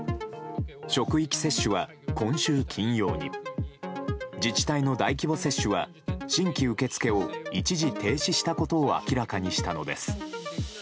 職域接種は今週金曜に自治体の大規模接種は新規受付を一時停止したことを明らかにしたのです。